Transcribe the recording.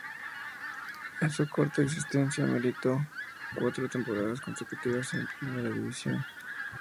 En su corta existencia, militó cuatro temporadas consecutivas en Primera División.